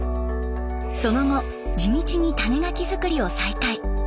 その後地道に種ガキづくりを再開。